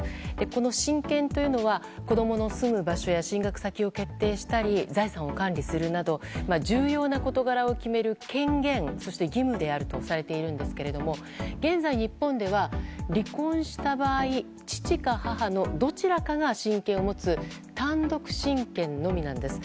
この親権というのは子供の住む場所や進学先を決定したり財産を管理するなど重要な事柄を決める権限、義務であるとされているんですけども現在、日本では離婚した場合父か母のどちらかが親権を持つ単独親権のみなんです。